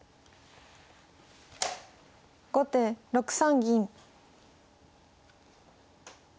後手６三銀。